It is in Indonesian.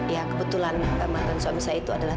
ya kebetulan mantan suami saya itu adalah